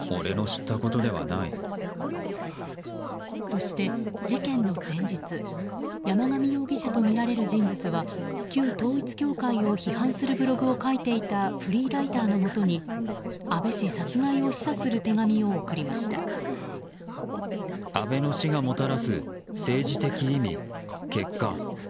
そして、事件の前日山上容疑者とみられる人物は旧統一教会を批判するブログを書いていたフリーライターのもとに安倍氏殺害を示唆する手紙を送りました。